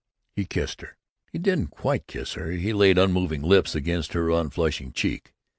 He kissed her he didn't quite kiss her he laid unmoving lips against her unflushing cheek.